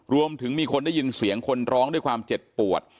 รวมถึงมีคนได้ยินเสียงคนร้องด้วยความเจ็บปวด